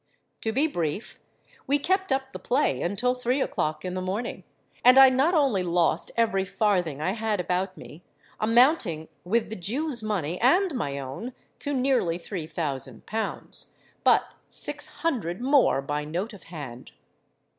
To be brief, we kept up the play until three o'clock in the morning; and I not only lost every farthing I had about me—amounting, with the Jew's money and my own, to nearly three thousand pounds—but six hundred more by note of hand.